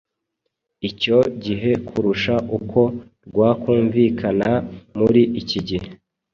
icyo gihe kurusha uko rwakumvikana muri iki gihe.